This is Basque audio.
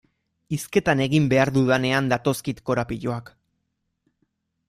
Hizketan egin behar dudanean datozkit korapiloak.